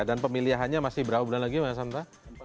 dan pemilihannya masih berapa bulan lagi mas anta